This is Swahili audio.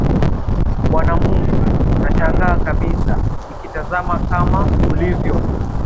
Bwana Mungu, nashangaa kabisa nikitazama kama vilivyo